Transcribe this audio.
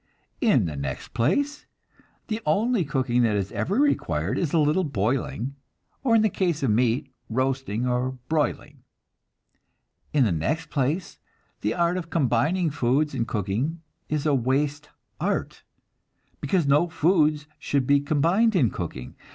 In the next place, the only cooking that is ever required is a little boiling, or in the case of meat, roasting or broiling. In the next place, the art of combining foods in cooking is a waste art, because no foods should be combined in cooking.